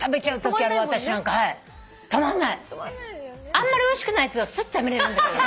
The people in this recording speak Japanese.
あんまりおいしくないやつはすっとやめれるんだけど。